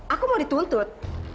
aku mau dituntut